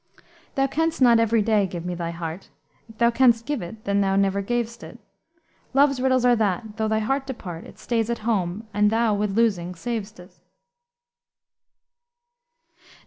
"Thou canst not every day give me thy heart: If thou canst give it then thou never gav'st it; Love's riddles are that though thy heart depart, It stays at home and thou with losing sav'st it."